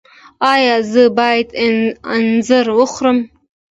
ایا زه باید انځر وخورم؟